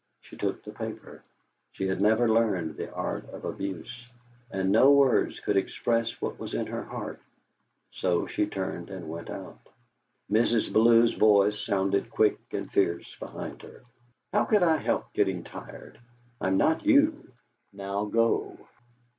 She took the paper. She had never learned the art of abuse, and no words could express what was in her heart, so she turned and went out. Mrs. Bellew's voice sounded quick and fierce behind her. "How could I help getting tired? I am not you. Now go!"